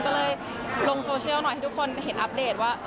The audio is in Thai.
ก็เลยลงโซเชียลหน่อยให้ทุกคนเห็นอัปเดตว่า